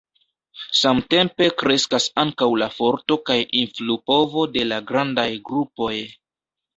Samtempe kreskas ankaŭ la forto kaj influpovo de la grandaj grupoj.